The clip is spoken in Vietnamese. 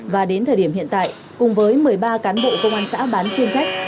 và đến thời điểm hiện tại cùng với một mươi ba cán bộ công an xã bán chuyên trách